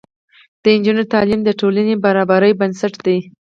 د نجونو تعلیم د ټولنې برابرۍ بنسټ دی.